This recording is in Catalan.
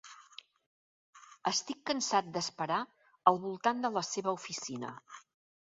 Estic cansat d"esperar al voltant de la seva oficina.